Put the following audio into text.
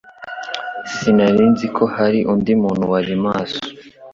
Sinari nzi ko hari undi muntu wari maso